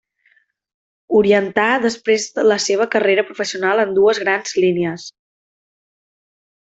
Orientà després la seva carrera professional en dues grans línies.